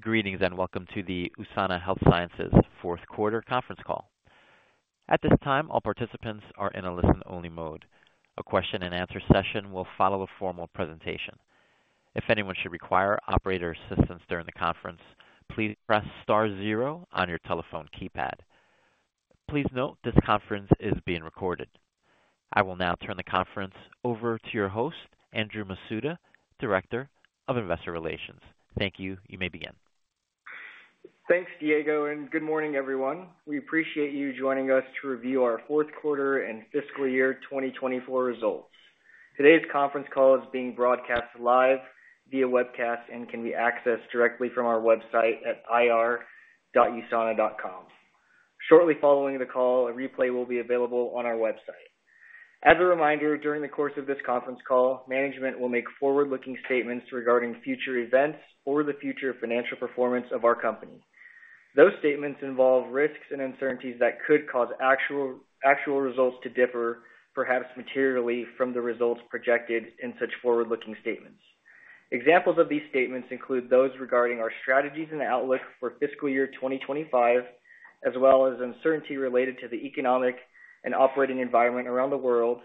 Greetings and welcome to the USANA Health Sciences fourth quarter conference call. At this time, all participants are in a listen-only mode. A question-and-answer session will follow a formal presentation. If anyone should require operator assistance during the conference, please press star zero on your telephone keypad. Please note this conference is being recorded. I will now turn the conference over to your host, Andrew Masuda, Director of Investor Relations. Thank you. You may begin. Thanks, Diego, and good morning, everyone. We appreciate you joining us to review our fourth quarter and fiscal year 2024 results. Today's conference call is being broadcast live via webcast and can be accessed directly from our website at ir.usana.com. Shortly following the call, a replay will be available on our website. As a reminder, during the course of this conference call, management will make forward-looking statements regarding future events or the future financial performance of our company. Those statements involve risks and uncertainties that could cause actual results to differ, perhaps materially, from the results projected in such forward-looking statements. Examples of these statements include those regarding our strategies and outlook for fiscal year 2025, as well as uncertainty related to the economic and operating environment around the world,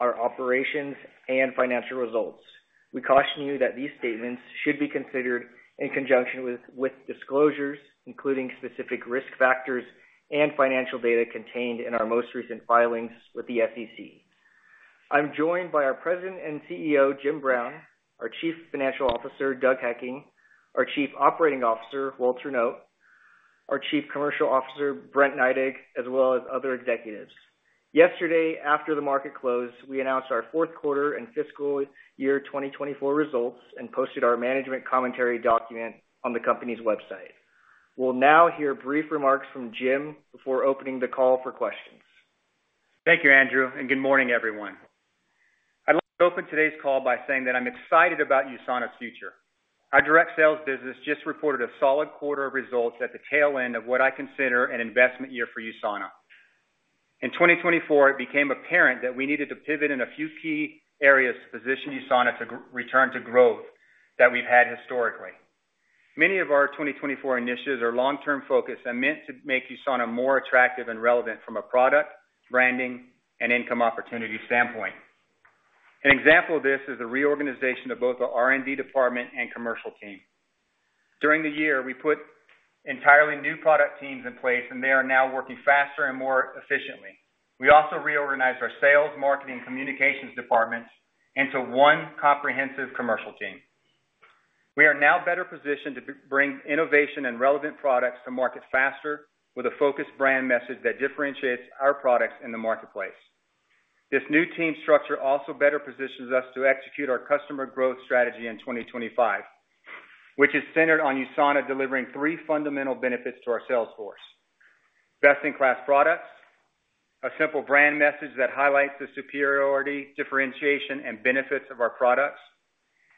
our operations, and financial results. We caution you that these statements should be considered in conjunction with disclosures, including specific risk factors and financial data contained in our most recent filings with the SEC. I'm joined by our President and CEO, Jim Brown, our Chief Financial Officer, Doug Hekking, our Chief Operating Officer, Walter Noot, our Chief Commercial Officer, Brent Neidig, as well as other executives. Yesterday, after the market closed, we announced our fourth quarter and fiscal year 2024 results and posted our management commentary document on the company's website. We'll now hear brief remarks from Jim before opening the call for questions. Thank you, Andrew, and good morning, everyone. I'd like to open today's call by saying that I'm excited about USANA's future. Our direct sales business just reported a solid quarter of results at the tail end of what I consider an investment year for USANA. In 2024, it became apparent that we needed to pivot in a few key areas to position USANA to return to growth that we've had historically. Many of our 2024 initiatives are long-term focused and meant to make USANA more attractive and relevant from a product, branding, and income opportunity standpoint. An example of this is the reorganization of both the R&D department and commercial team. During the year, we put entirely new product teams in place, and they are now working faster and more efficiently. We also reorganized our sales, marketing, and communications departments into one comprehensive commercial team. We are now better positioned to bring innovation and relevant products to market faster with a focused brand message that differentiates our products in the marketplace. This new team structure also better positions us to execute our customer growth strategy in 2025, which is centered on USANA delivering three fundamental benefits to our sales force: best-in-class products, a simple brand message that highlights the superiority, differentiation, and benefits of our products,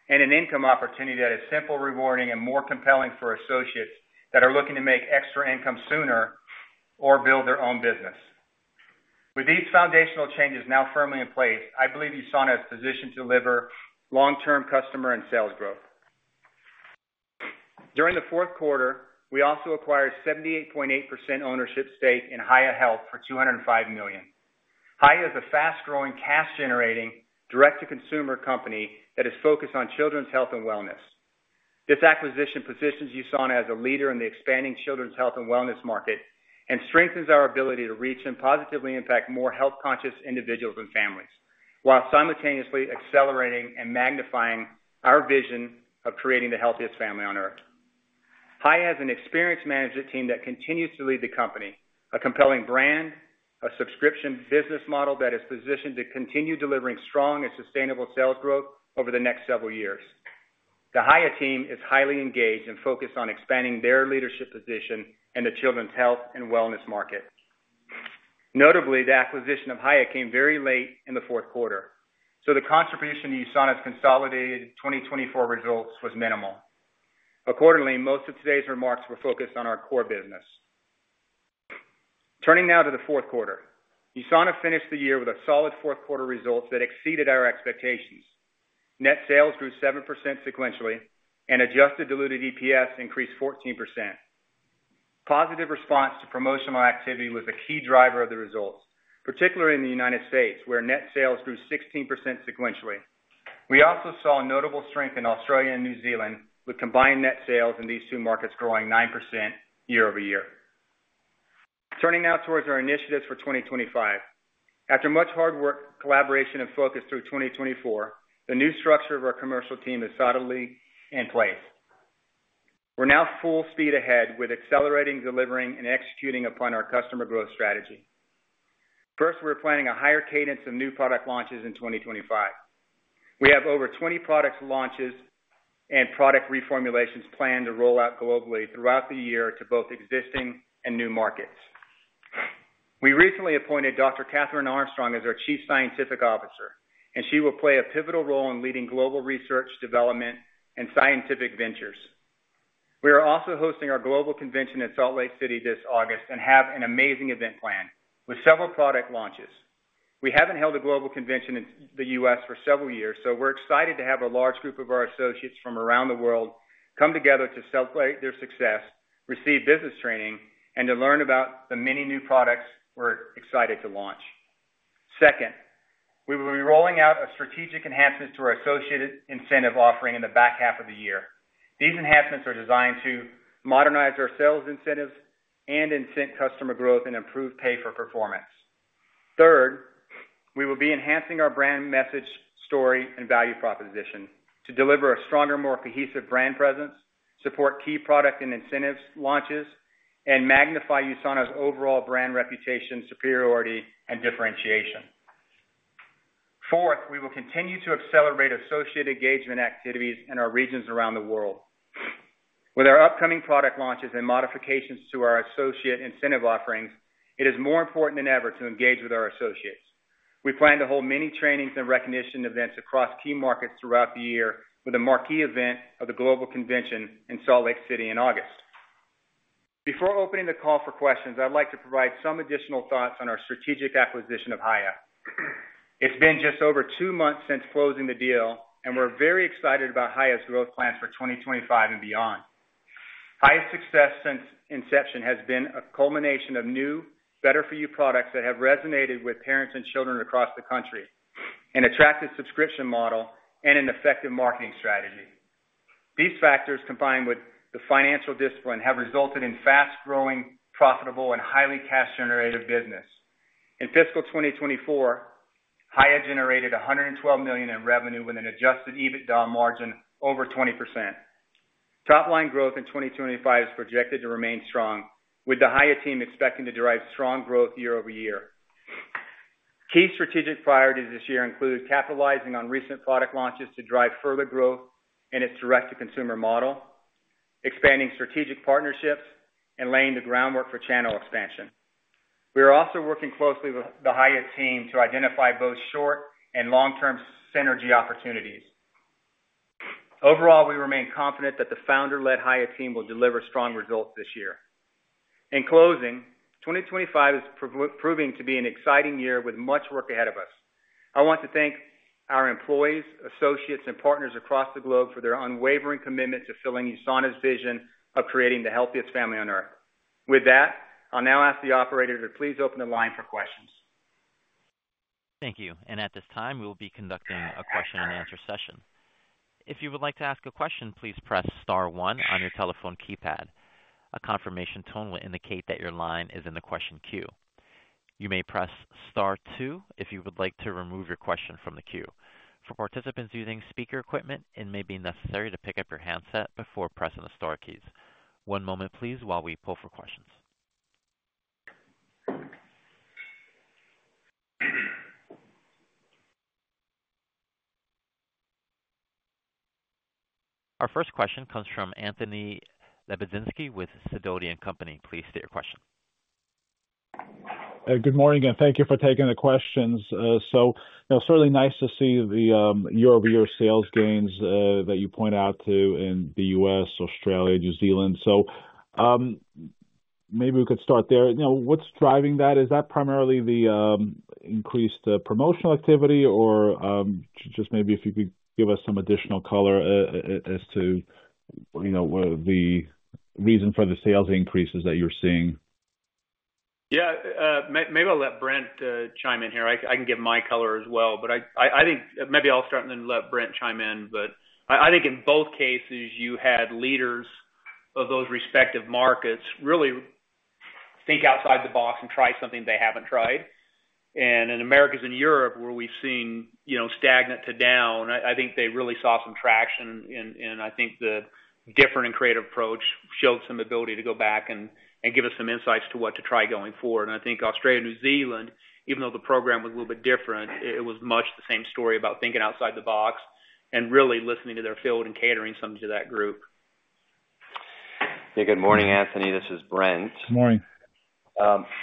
and an income opportunity that is simple, rewarding, and more compelling for associates that are looking to make extra income sooner or build their own business. With these foundational changes now firmly in place, I believe USANA is positioned to deliver long-term customer and sales growth. During the fourth quarter, we also acquired 78.8% ownership stake in Hiya Health for $205 million. Hiya is a fast-growing, cash-generating, direct-to-consumer company that is focused on children's health and wellness. This acquisition positions USANA as a leader in the expanding children's health and wellness market and strengthens our ability to reach and positively impact more health-conscious individuals and families, while simultaneously accelerating and magnifying our vision of creating the healthiest family on Earth. Hiya has an experienced management team that continues to lead the company: a compelling brand, a subscription business model that is positioned to continue delivering strong and sustainable sales growth over the next several years. The Hiya team is highly engaged and focused on expanding their leadership position in the children's health and wellness market. Notably, the acquisition of Hiya came very late in the fourth quarter, so the contribution to USANA's consolidated 2024 results was minimal. Accordingly, most of today's remarks were focused on our core business. Turning now to the fourth quarter. USANA finished the year with a solid fourth quarter result that exceeded our expectations. Net sales grew 7% sequentially, and adjusted diluted EPS increased 14%. Positive response to promotional activity was a key driver of the results, particularly in the United States, where net sales grew 16% sequentially. We also saw notable strength in Australia and New Zealand, with combined net sales in these two markets growing 9% year-over-year. Turning now towards our initiatives for 2025. After much hard work, collaboration, and focus through 2024, the new structure of our commercial team is solidly in place. We're now full speed ahead with accelerating, delivering, and executing upon our customer growth strategy. First, we're planning a higher cadence of new product launches in 2025. We have over 20 product launches and product reformulations planned to roll out globally throughout the year to both existing and new markets. We recently appointed Dr. Kathryn Armstrong as our Chief Scientific Officer, and she will play a pivotal role in leading global research, development, and scientific ventures. We are also hosting our global convention in Salt Lake City this August and have an amazing event planned with several product launches. We haven't held a global convention in the U.S. for several years, so we're excited to have a large group of our associates from around the world come together to celebrate their success, receive business training, and to learn about the many new products we're excited to launch. Second, we will be rolling out a strategic enhancement to our associate incentive offering in the back half of the year. These enhancements are designed to modernize our sales incentives and incent customer growth and improve pay-for-performance. Third, we will be enhancing our brand message, story, and value proposition to deliver a stronger, more cohesive brand presence, support key product and incentive launches, and magnify USANA's overall brand reputation, superiority, and differentiation. Fourth, we will continue to accelerate associate engagement activities in our regions around the world. With our upcoming product launches and modifications to our associate incentive offerings, it is more important than ever to engage with our associates. We plan to hold many trainings and recognition events across key markets throughout the year, with a marquee event of the global convention in Salt Lake City in August. Before opening the call for questions, I'd like to provide some additional thoughts on our strategic acquisition of Hiya. It's been just over two months since closing the deal, and we're very excited about Hiya's growth plans for 2025 and beyond. Hiya's success since inception has been a culmination of new, better-for-you products that have resonated with parents and children across the country, an attractive subscription model, and an effective marketing strategy. These factors, combined with the financial discipline, have resulted in fast-growing, profitable, and highly cash-generative business. In fiscal 2024, Hiya generated $112 million in revenue with an adjusted EBITDA margin over 20%. Top-line growth in 2025 is projected to remain strong, with the Hiya team expecting to derive strong growth year-over-year. Key strategic priorities this year include capitalizing on recent product launches to drive further growth in its direct-to-consumer model, expanding strategic partnerships, and laying the groundwork for channel expansion. We are also working closely with the Hiya team to identify both short and long-term synergy opportunities. Overall, we remain confident that the founder-led Hiya team will deliver strong results this year. In closing, 2025 is proving to be an exciting year with much work ahead of us. I want to thank our employees, associates, and partners across the globe for their unwavering commitment to fulfilling USANA's vision of creating the healthiest family on Earth. With that, I'll now ask the operator to please open the line for questions. Thank you. And at this time, we will be conducting a question-and-answer session. If you would like to ask a question, please press star one on your telephone keypad. A confirmation tone will indicate that your line is in the question queue. You may press star two if you would like to remove your question from the queue. For participants using speaker equipment, it may be necessary to pick up your handset before pressing the star keys. One moment, please, while we pull for questions. Our first question comes from Anthony Lebiedzinski with Sidoti & Company. Please state your question. Good morning and thank you for taking the questions. So certainly nice to see the year-over-year sales gains that you point out to in the U.S., Australia, New Zealand. So maybe we could start there. What's driving that? Is that primarily the increased promotional activity or just maybe if you could give us some additional color as to the reason for the sales increases that you're seeing? Yeah, maybe I'll let Brent chime in here. I can give my color as well, but I think maybe I'll start and then let Brent chime in. But I think in both cases, you had leaders of those respective markets really think outside the box and try something they haven't tried. In Americas and Europe, where we've seen stagnant to down, I think they really saw some traction. I think the different and creative approach showed some ability to go back and give us some insights to what to try going forward. In Australia and New Zealand, even though the program was a little bit different, it was much the same story about thinking outside the box and really listening to their field and catering something to that group. Good morning, Anthony. This is Brent. Good morning.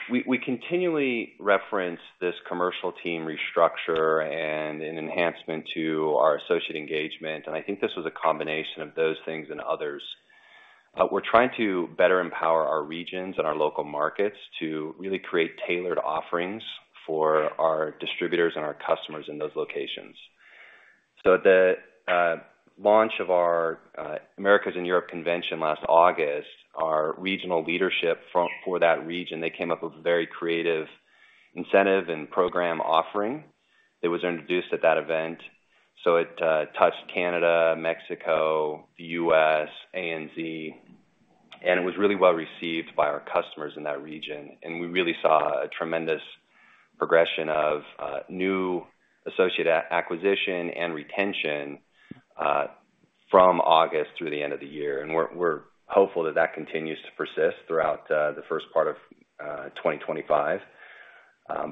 We continually reference this commercial team restructure and an enhancement to our associate engagement, and I think this was a combination of those things and others. We're trying to better empower our regions and our local markets to really create tailored offerings for our distributors and our customers in those locations, so at the launch of our Americas and Europe Convention last August, our regional leadership for that region, they came up with a very creative incentive and program offering that was introduced at that event, so it touched Canada, Mexico, the U.S., ANZ, and it was really well received by our customers in that region, and we really saw a tremendous progression of new associate acquisition and retention from August through the end of the year, and we're hopeful that that continues to persist throughout the first part of 2025.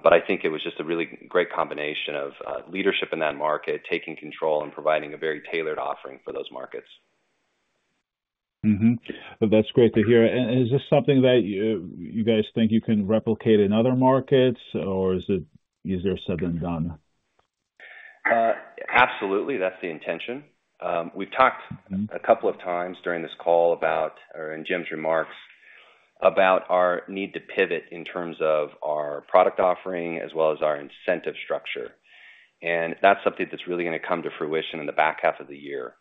But I think it was just a really great combination of leadership in that market, taking control and providing a very tailored offering for those markets. That's great to hear. And is this something that you guys think you can replicate in other markets, or is it easier said than done? Absolutely. That's the intention. We've talked a couple of times during this call about, or in Jim's remarks, about our need to pivot in terms of our product offering as well as our incentive structure. And that's something that's really going to come to fruition in the back half of the year.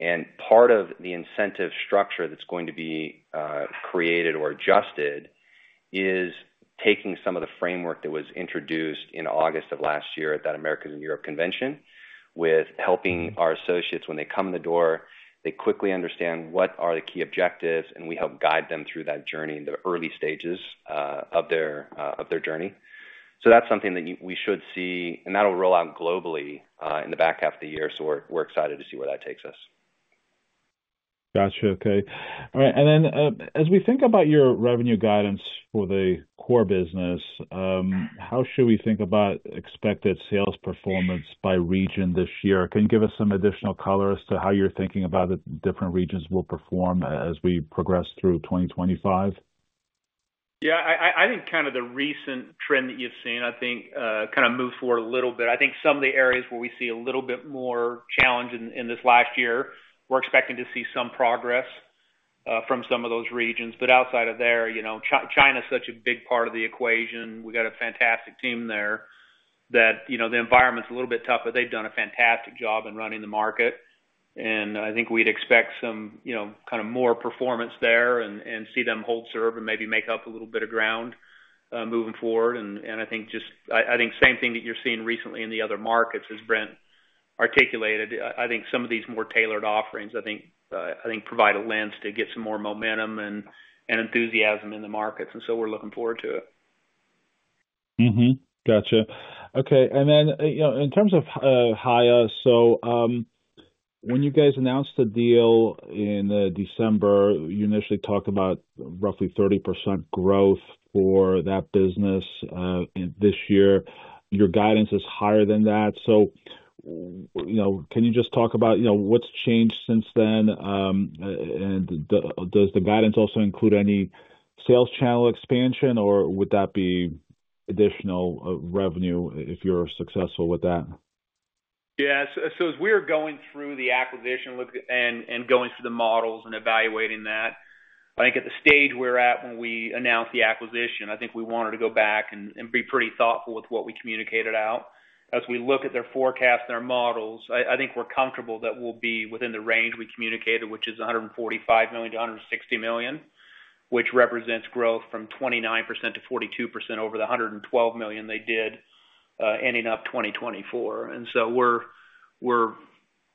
And part of the incentive structure that's going to be created or adjusted is taking some of the framework that was introduced in August of last year at that Americas and Europe Convention with helping our associates when they come in the door. They quickly understand what are the key objectives, and we help guide them through that journey in the early stages of their journey. So that's something that we should see, and that'll roll out globally in the back half of the year. So we're excited to see where that takes us. Gotcha. Okay. All right. And then as we think about your revenue guidance for the core business, how should we think about expected sales performance by region this year? Can you give us some additional color as to how you're thinking about the different regions will perform as we progress through 2025? Yeah, I think kind of the recent trend that you've seen, I think kind of moved forward a little bit. I think some of the areas where we see a little bit more challenge in this last year, we're expecting to see some progress from some of those regions. But outside of there, China is such a big part of the equation. We've got a fantastic team there that the environment's a little bit tough, but they've done a fantastic job in running the market. And I think we'd expect some kind of more performance there and see them hold serve and maybe make up a little bit of ground moving forward. I think just the same thing that you're seeing recently in the other markets, as Brent articulated. I think some of these more tailored offerings provide a lens to get some more momentum and enthusiasm in the markets. So we're looking forward to it. Gotcha. Okay. And then in terms of Hiya, so when you guys announced the deal in December, you initially talked about roughly 30% growth for that business this year. Your guidance is higher than that. So can you just talk about what's changed since then? And does the guidance also include any sales channel expansion, or would that be additional revenue if you're successful with that? Yeah. So, as we were going through the acquisition and going through the models and evaluating that, I think at the stage we're at when we announced the acquisition, I think we wanted to go back and be pretty thoughtful with what we communicated out. As we look at their forecast and our models, I think we're comfortable that we'll be within the range we communicated, which is $145 million-$160 million, which represents growth from 29% to 42% over the $112 million they did ending up 2024. And so we're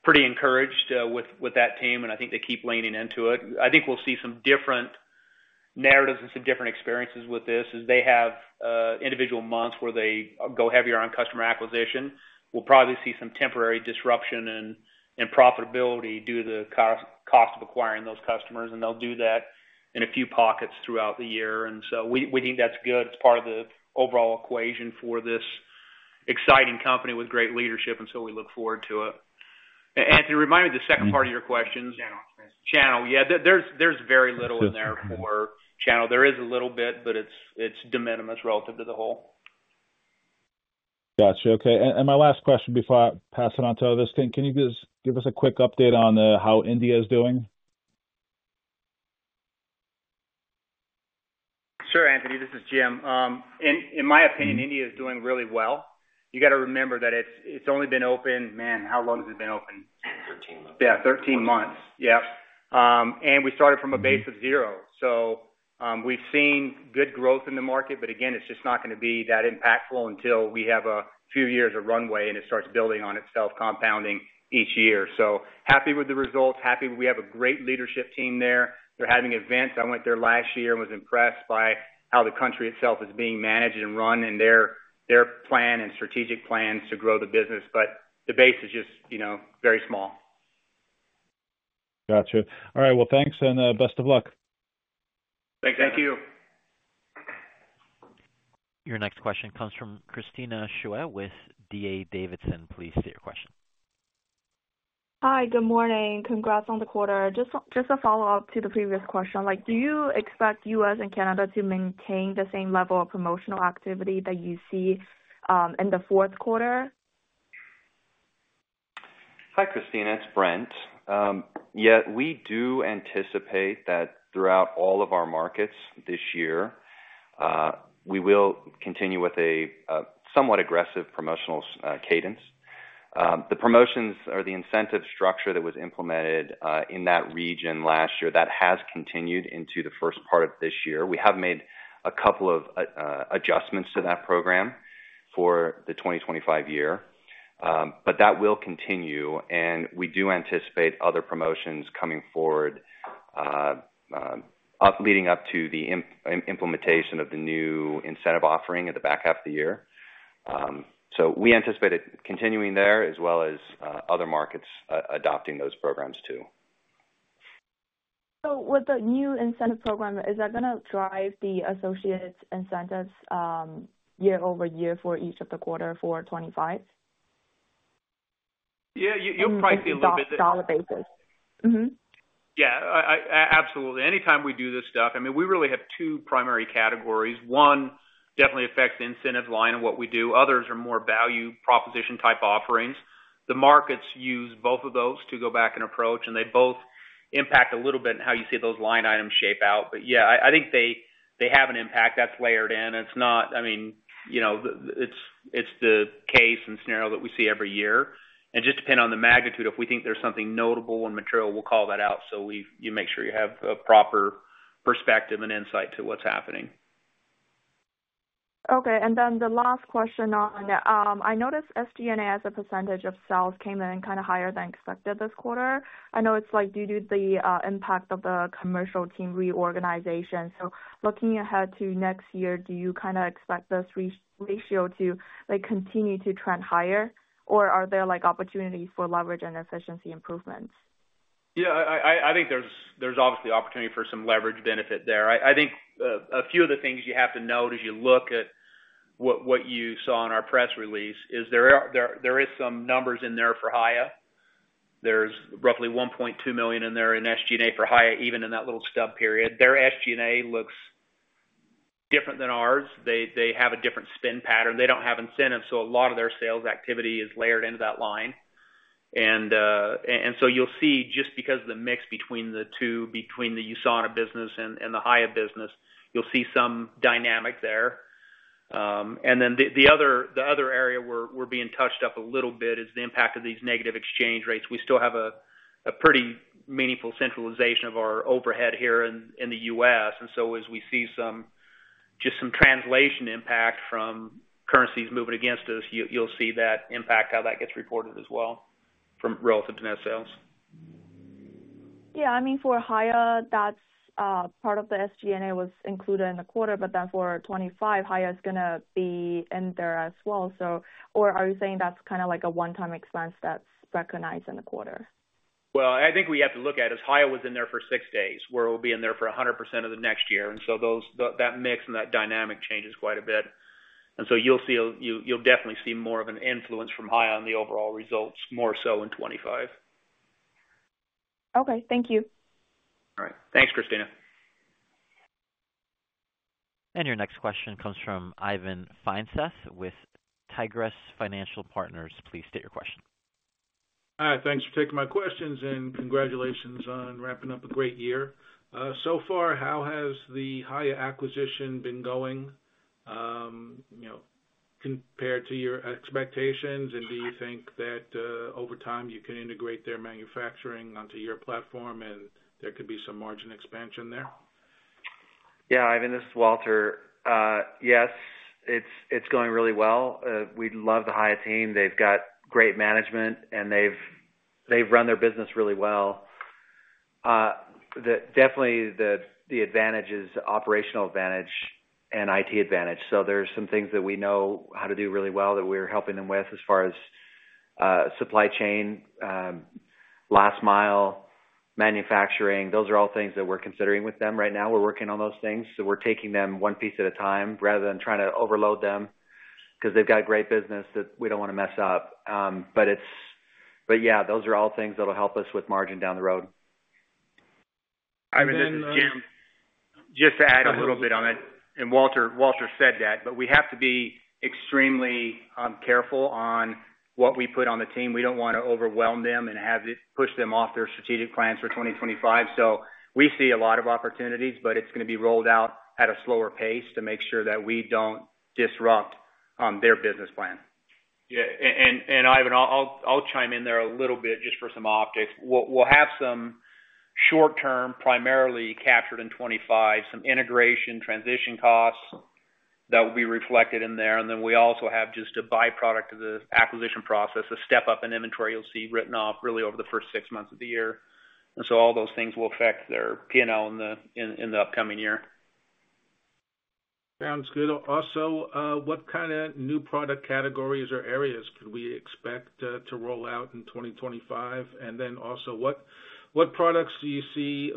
pretty encouraged with that team, and I think they keep leaning into it. I think we'll see some different narratives and some different experiences with this as they have individual months where they go heavier on customer acquisition. We'll probably see some temporary disruption in profitability due to the cost of acquiring those customers, and they'll do that in a few pockets throughout the year. And so we think that's good. It's part of the overall equation for this exciting company with great leadership, and so we look forward to it. Anthony, remind me the second part of your questions. Channel. Channel. Yeah, there's very little in there for channel. There is a little bit, but it's de minimis relative to the whole. Gotcha. Okay, and my last question before I pass it on to others, can you give us a quick update on how India is doing? Sure, Anthony. This is Jim. In my opinion, India is doing really well. You got to remember that it's only been open, man, how long has it been open? 13 months. Yeah, 13 months. Yep. And we started from a base of zero. So we've seen good growth in the market, but again, it's just not going to be that impactful until we have a few years of runway and it starts building on itself, compounding each year. So happy with the results. Happy we have a great leadership team there. They're having events. I went there last year and was impressed by how the country itself is being managed and run and their plan and strategic plans to grow the business. But the base is just very small. Gotcha. All right. Well, thanks and best of luck. Thanks. Thank you. Your next question comes from Christina Xue with D.A. Davidson. Please state your question. Hi, good morning. Congrats on the quarter. Just a follow-up to the previous question. Do you expect U.S. and Canada to maintain the same level of promotional activity that you see in the fourth quarter? Hi, Christina. It's Brent. Yeah, we do anticipate that throughout all of our markets this year, we will continue with a somewhat aggressive promotional cadence, the promotions or the incentive structure that was implemented in that region last year that has continued into the first part of this year. We have made a couple of adjustments to that program for the 2025 year, but that will continue and we do anticipate other promotions coming forward leading up to the implementation of the new incentive offering at the back half of the year, so we anticipate it continuing there as well as other markets adopting those programs too. So with the new incentive program, is that going to drive the associate incentives year-over-year for each of the quarter for 2025? Yeah, you'll probably see a little bit of that. On a solid basis. Yeah, absolutely. Anytime we do this stuff, we really have two primary categories. One definitely affects the incentive line of what we do. Others are more value proposition type offerings. The markets use both of those to go back and approach, and they both impact a little bit in how you see those line items shape out. But yeah, I think they have an impact. That's layered in. It's not, it's the case and scenario that we see every year. And just depend on the magnitude. If we think there's something notable and material, we'll call that out so you make sure you have a proper perspective and insight to what's happening. Okay, and then the last question on, I noticed SG&A as a percentage of sales came in kind of higher than expected this quarter. I know it's due to the impact of the commercial team reorganization. So looking ahead to next year, do you kind of expect this ratio to continue to trend higher, or are there opportunities for leverage and efficiency improvements? Yeah, I think there's obviously opportunity for some leverage benefit there. I think a few of the things you have to note as you look at what you saw in our press release is there are some numbers in there for Hiya. There's roughly $1.2 million in there in SG&A for Hiya, even in that little stub period. Their SG&A looks different than ours. They have a different spin pattern. They don't have incentives, so a lot of their sales activity is layered into that line. And so you'll see just because of the mix between the two, between the USANA business and the Hiya business, you'll see some dynamic there. And then the other area we're being touched up a little bit is the impact of these negative exchange rates. We still have a pretty meaningful centralization of our overhead here in the U.S. As we see just some translation impact from currencies moving against us, you'll see that impact, how that gets reported as well relative to net sales. Yeah. I mean, for Hiya, that's part of the SG&A was included in the quarter, but then for 2025, Hiya is going to be in there as well. Or are you saying that's kind of like a one-time expense that's recognized in the quarter? I think we have to look at it as Hiya was in there for six days, where it will be in there for 100% of the next year. That mix and that dynamic changes quite a bit. You'll definitely see more of an influence from Hiya on the overall results more so in 2025. Okay. Thank you. All right. Thanks, Christina. Your next question comes from Ivan Feinseth with Tigress Financial Partners. Please state your question. Hi. Thanks for taking my questions and congratulations on wrapping up a great year. So far, how has the Hiya acquisition been going compared to your expectations? And do you think that over time you can integrate their manufacturing onto your platform and there could be some margin expansion there? Yeah, Ivan. This is Walter. Yes, it's going really well. We love the Hiya team. They've got great management and they've run their business really well. Definitely the advantage is operational advantage and IT advantage. So there are some things that we know how to do really well that we're helping them with as far as supply chain, last mile manufacturing. Those are all things that we're considering with them right now. We're working on those things. So we're taking them one piece at a time rather than trying to overload them because they've got great business that we don't want to mess up. But yeah, those are all things that'll help us with margin down the road. I mean, just to add a little bit on it, and Walter said that, but we have to be extremely careful on what we put on the team. We don't want to overwhelm them and push them off their strategic plans for 2025, so we see a lot of opportunities, but it's going to be rolled out at a slower pace to make sure that we don't disrupt their business plan. Yeah, and Ivan, I'll chime in there a little bit just for some optics. We'll have some short-term primarily captured in 2025, some integration transition costs that will be reflected in there, and then we also have just a byproduct of the acquisition process, a step-up in inventory you'll see written off really over the first six months of the year, and so all those things will affect their P&L in the upcoming year. Sounds good. Also, what kind of new product categories or areas could we expect to roll out in 2025? And then also, what products do you see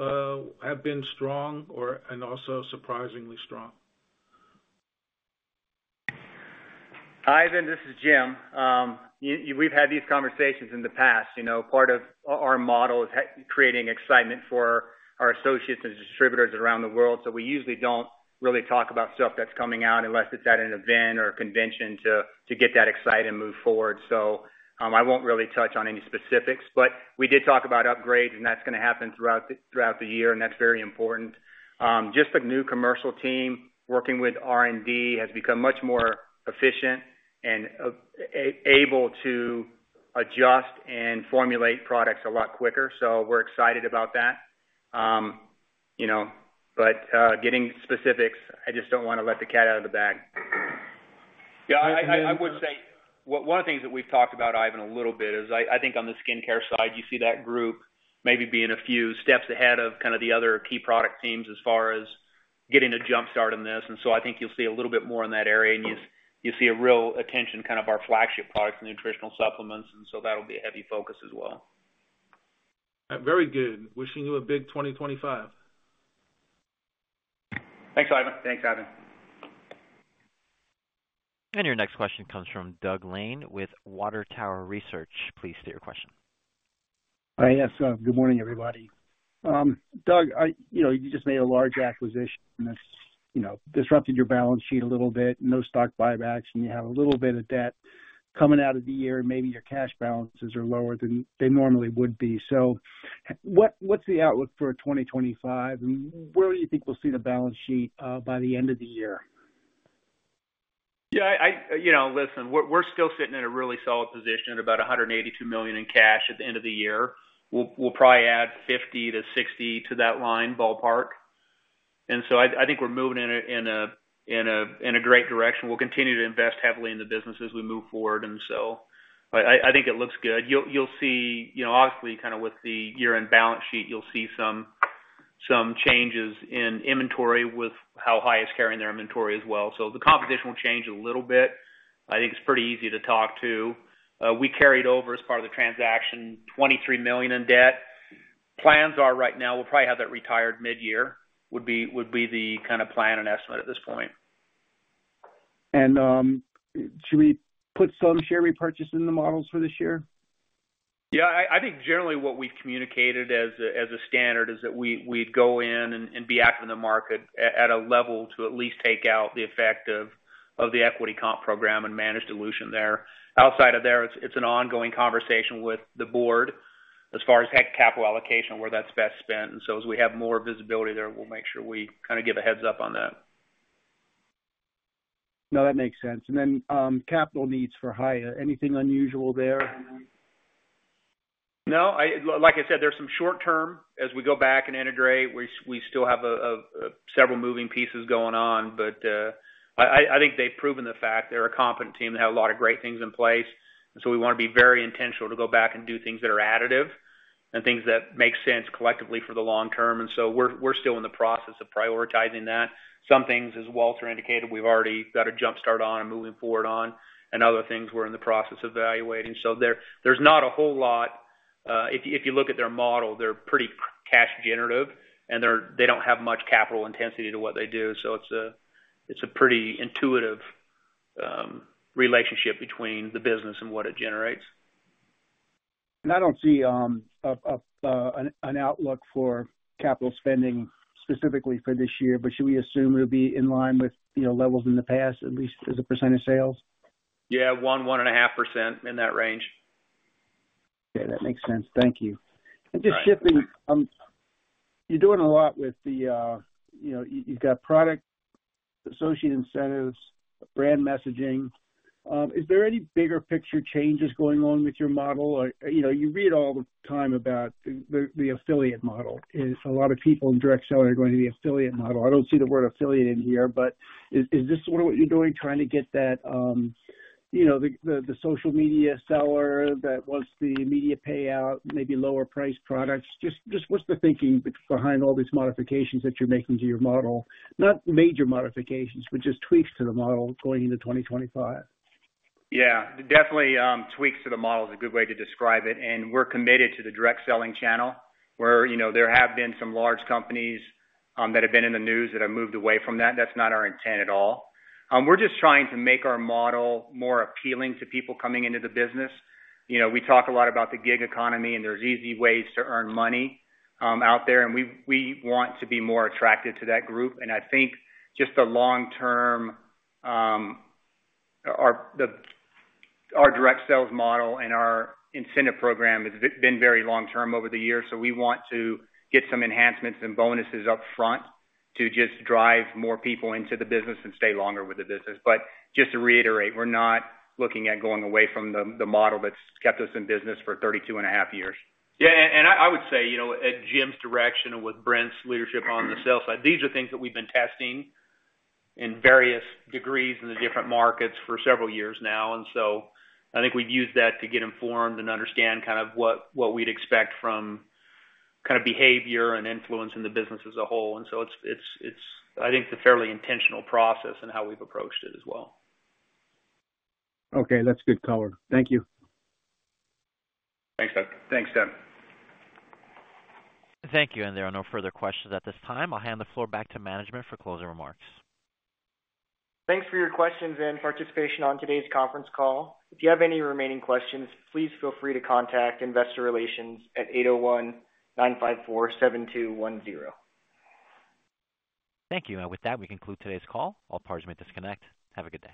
have been strong and also surprisingly strong? Ivan, this is Jim. We've had these conversations in the past. Part of our model is creating excitement for our associates and distributors around the world. So we usually don't really talk about stuff that's coming out unless it's at an event or a convention to get that excited and move forward. So I won't really touch on any specifics, but we did talk about upgrades, and that's going to happen throughout the year, and that's very important. Just the new commercial team working with R&D has become much more efficient and able to adjust and formulate products a lot quicker. So we're excited about that. But getting specifics, I just don't want to let the cat out of the bag. Yeah, I would say one of the things that we've talked about, Ivan, a little bit is I think on the skincare side, you see that group maybe being a few steps ahead of kind of the other key product teams as far as getting a jumpstart in this. And so I think you'll see a little bit more in that area, and you see a real attention kind of our flagship products and nutritional supplements. And so that'll be a heavy focus as well. Very good. Wishing you a big 2025. Thanks, Ivan. Thanks, Ivan. And your next question comes from Doug Lane with Water Tower Research. Please state your question. Hi. Yes. Good morning, everybody. Doug, you just made a large acquisition that's disrupted your balance sheet a little bit. No stock buybacks, and you have a little bit of debt coming out of the year. Maybe your cash balances are lower than they normally would be. So what's the outlook for 2025, and where do you think we'll see the balance sheet by the end of the year? Yeah. Listen, we're still sitting in a really solid position at about $182 million in cash at the end of the year. We'll probably add 50-60 to that line ballpark. And so I think we're moving in a great direction. We'll continue to invest heavily in the business as we move forward. And so I think it looks good. You'll see, obviously, kind of with the year-end balance sheet, you'll see some changes in inventory with how Hiya is carrying their inventory as well. So the composition will change a little bit. I think it's pretty easy to talk to. We carried over as part of the transaction $23 million in debt. Plans are right now we'll probably have that retired mid-year would be the kind of plan and estimate at this point. Should we put some share repurchase in the models for this year? Yeah. I think generally what we've communicated as a standard is that we'd go in and be active in the market at a level to at least take out the effect of the equity comp program and managed dilution there. Outside of there, it's an ongoing conversation with the board as far as capital allocation, where that's best spent, and so as we have more visibility there, we'll make sure we kind of give a heads-up on that. No, that makes sense. And then capital needs for Hiya. Anything unusual there? No. Like I said, there's some short-term. As we go back and integrate, we still have several moving pieces going on, but I think they've proven the fact. They're a competent team. They have a lot of great things in place, and so we want to be very intentional to go back and do things that are additive and things that make sense collectively for the long term, and so we're still in the process of prioritizing that. Some things, as Walter indicated, we've already got a jumpstart on and moving forward on, and other things we're in the process of evaluating, so there's not a whole lot. If you look at their model, they're pretty cash generative, and they don't have much capital intensity to what they do, so it's a pretty intuitive relationship between the business and what it generates. I don't see an outlook for capital spending specifically for this year, but should we assume it would be in line with levels in the past, at least as a percent of sales? Yeah, 1%-1.5% in that range. Okay. That makes sense. Thank you and just shifting, you've got product associate incentives, brand messaging. Is there any bigger picture changes going on with your model? You read all the time about the affiliate model. A lot of people in direct selling are going to the affiliate model. I don't see the word affiliate in here, but is this sort of what you're doing, trying to get the social media seller that wants the immediate payout, maybe lower-priced products? Just what's the thinking behind all these modifications that you're making to your model? Not major modifications, but just tweaks to the model going into 2025. Yeah. Definitely, tweaks to the model is a good way to describe it. And we're committed to the direct selling channel, where there have been some large companies that have been in the news that have moved away from that. That's not our intent at all. We're just trying to make our model more appealing to people coming into the business. We talk a lot about the gig economy, and there's easy ways to earn money out there. And we want to be more attractive to that group. And I think just the long term, our direct sales model and our incentive program has been very long term over the years. So we want to get some enhancements and bonuses upfront to just drive more people into the business and stay longer with the business. But just to reiterate, we're not looking at going away from the model that's kept us in business for 32 and a half years. Yeah. And I would say, at Jim's direction and with Brent's leadership on the sales side, these are things that we've been testing in various degrees in the different markets for several years now. And so I think we've used that to get informed and understand kind of what we'd expect from kind of behavior and influence in the business as a whole. And so I think it's a fairly intentional process in how we've approached it as well. Okay. That's good color. Thank you. Thanks, Doug. Thanks, Jim. Thank you. And there are no further questions at this time. I'll hand the floor back to management for closing remarks. Thanks for your questions and participation on today's conference call. If you have any remaining questions, please feel free to contact investor relations at 801-954-7210. Thank you. With that, we conclude today's call. All parties may disconnect. Have a good day.